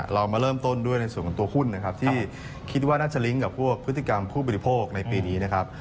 เรามาเริ่มต้นด้วยในส่วนของตัวหุ้นนะครับที่คิดว่าน่าจะลิ้งกับพวกพฤติกรรมผู้บริโภคในปีนี้นะครับ